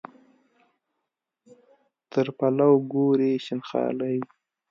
تر پلو ګوري شین خالۍ.